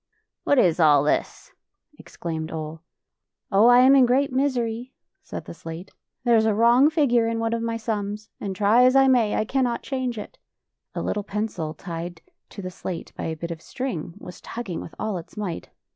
"What is all this?" ex claimed Ole. " Oh, I am in great misery," said the slate. " There is a wrong figure in one of tny sums, and try as 1 maj^ I cannot change it." A little pencil, tied to the slate by a bit of string, was tugging with all its might.